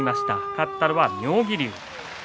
勝ったのは妙義龍。